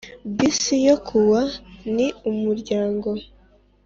Bis yo ku wa ni umuryango